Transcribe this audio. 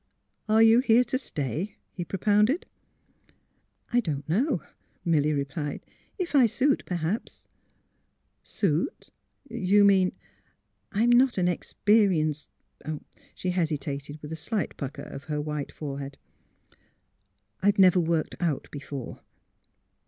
" Are you here to stay? '* he propounded. *' I don 't know, '' Milly replied. " If I suit, per haps "'' Suit? You mean " "I'm not an experienced " She hesitated, with a slight pucker of her white forehead. " I've never worked out before."